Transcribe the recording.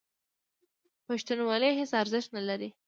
پښتونولي هېڅ ارزښت نه لري.